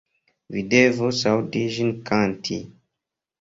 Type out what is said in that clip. Vi devus aŭdi ĝin kanti.